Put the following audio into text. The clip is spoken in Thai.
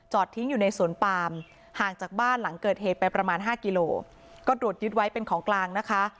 ทิ้งอยู่ในสวนปามห่างจากบ้านหลังเกิดเหตุไปประมาณห้ากิโลก็ตรวจยึดไว้เป็นของกลางนะคะ